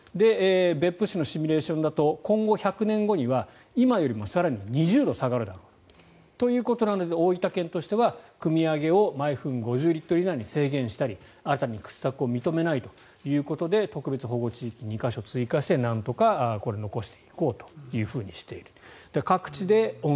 別府市のシミュレーションだと今後１００年後には今よりも更に２０度下がるだろうということなので大分県としてはくみ上げを毎分５０リットル以内に制限したり新たな掘削を認めないということで特別保護地域を２か所追加してなんとかこれを残していこうとしている。